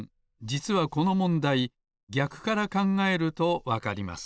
じつはこのもんだいぎゃくからかんがえるとわかります。